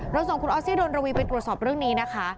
ส่งคุณออสซี่ดนระวีไปตรวจสอบเรื่องนี้นะคะ